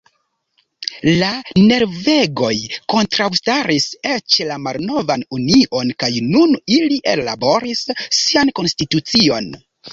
La norvegoj kontraŭstaris eĉ la malnovan union kaj nun ili ellaboris sian konstitucion.